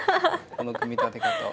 この組み立て方は。